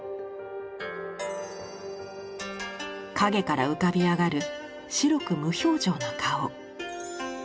影から浮かび上がる白く無表情な顔。